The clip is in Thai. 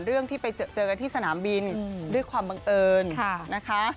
เรื่องที่ไปเจอกันที่สนามบินด้วยความบังเอิญนะคะ